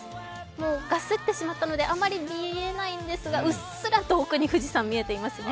もうガスってしまったのであまり見えないんですがうっすらと富士山が見えてますね。